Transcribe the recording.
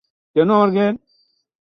তিনি সত্যি মহীয়সী নারী এবং সহৃদয় বন্ধু।